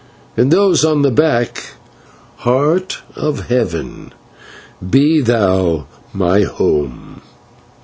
And those on the back: 'Heart of Heaven, be thou my home.'"